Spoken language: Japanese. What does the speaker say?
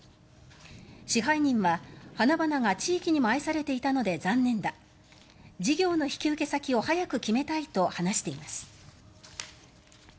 支配人は、花々が地域にも愛されていたので残念だ事業の引受先を早く決めたいと話しています。